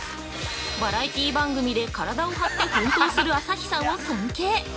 バラエティ番組で体を張って奮闘する朝日さんを尊敬。